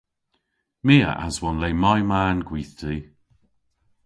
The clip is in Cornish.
My a aswon le may ma'n gwithti.